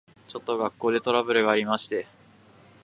ちょっと学校でトラブルがありまして。